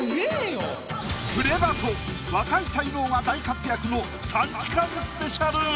『プレバト』若い才能が大活躍の３時間スペシャル。